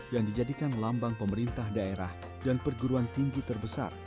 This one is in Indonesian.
yang dijadikan lambang pemerintah daerah dan perguruan tinggi terbesar